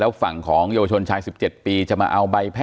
ต่อยอีกต่อยอีกต่อยอีกต่อยอีกต่อยอีก